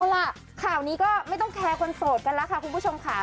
เอาล่ะข่าวนี้ก็ไม่ต้องแคร์คนโสดกันแล้วค่ะคุณผู้ชมค่ะ